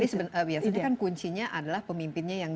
tapi biasanya kan kuncinya adalah pemimpinnya yang